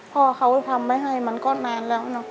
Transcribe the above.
พ่อเขาทำไม่ให้มันก็นานแล้ว